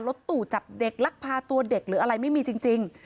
ตู่จับเด็กลักพาตัวเด็กหรืออะไรไม่มีจริง